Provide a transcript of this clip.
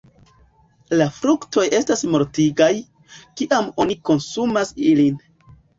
La fruktoj estas mortigaj, kiam oni konsumas ilin.